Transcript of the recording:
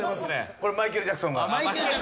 これマイケル・ジャクソンのマネ。